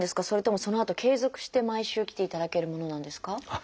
それともそのあと継続して毎週来ていただけるものなんですか？